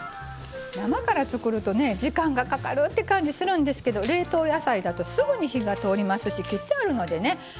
生から作るとね時間がかかるって感じするんですけど冷凍野菜だとすぐに火が通りますし切ってあるのでね